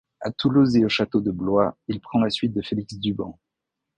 À Toulouse et au château de Blois il prend la suite de Félix Duban.